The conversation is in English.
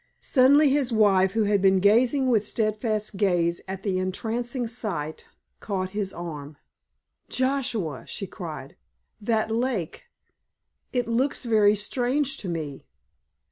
Suddenly his wife, who had been gazing with steadfast gaze at the entrancing sight, caught his arm. "Joshua"—she cried,—"that lake—it looks very strange to me!